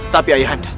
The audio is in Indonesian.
tapi ayah anda